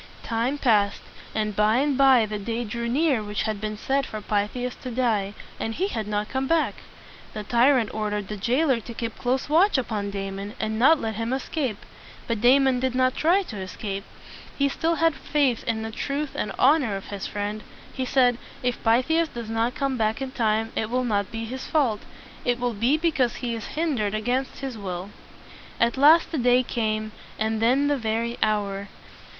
Time passed, and by and by the day drew near which had been set for Pythias to die; and he had not come back. The tyrant ordered the jailer to keep close watch upon Damon, and not let him escape. But Damon did not try to escape. He still had faith in the truth and honor of his friend. He said, "If Pythias does not come back in time, it will not be his fault. It will be because he is hin dered against his will." At last the day came, and then the very hour.